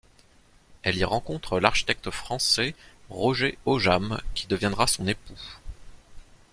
Elle y rencontre l’architecte français Roger Aujame qui deviendra son époux.